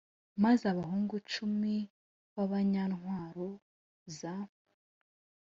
Maze abahungu cumi b abanyantwaro za